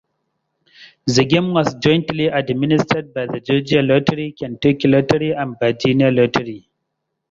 The game was jointly administered by the Georgia Lottery, Kentucky Lottery, and Virginia Lottery.